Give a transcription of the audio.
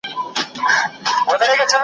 د هغوی به همېشه خاوري په سر وي .